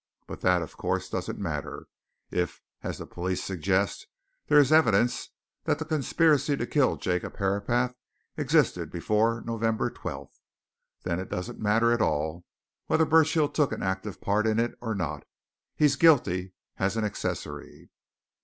But that, of course, doesn't matter if, as the police suggest, there is evidence that the conspiracy to kill Jacob Herapath existed before November 12th, then it doesn't matter at all whether Burchill took an active part in it or not he's guilty as accessory."